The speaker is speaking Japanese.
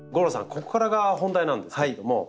ここからが本題なんですけれども。